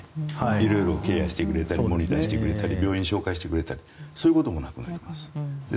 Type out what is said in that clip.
色々ケアしてくれたりモニタリングしてくれたり病院を紹介してくれたりそういうこともなくなります。